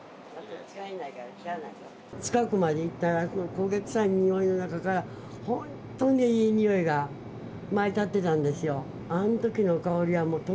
近くまで行ったら、焦げ臭いにおいの中から、本当にいい匂いが舞い立ってたんですよ。